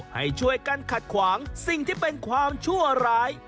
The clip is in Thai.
ให้ช่วยกันขัดขวางสิ่งที่เป็นความชั่วร้าย